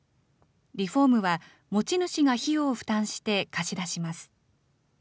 リフォームは持ち主が費用を負担して貸し出します。